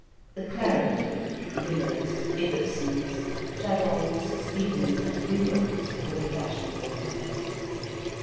The Clarendon, Limmer's, Ibbetson's, Fladong's, Stephens', and Grillon's, were the fashionable hotels.